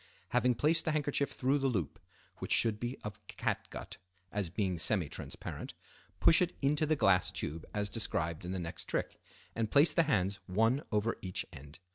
Having placed the handkerchief through the loop, which should be of catgut, as being semi transparent, push it into the glass tube as described in the next trick, and place the hands one over each end.